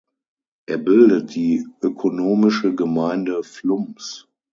Er bildet die Ökonomische Gemeinde Flums.